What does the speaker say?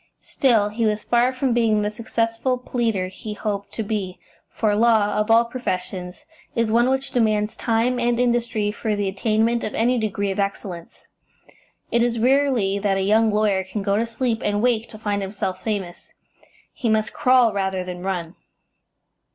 Still, he was far from being the successful pleader he hoped to be, for law, of all professions, is one which demands time and industry for the attainment of any degree of excellence. It is rarely that a young lawyer can go to sleep and wake to find himself famous; he must crawl rather than run.